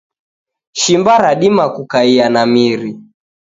Shimba radima kukaia na miri.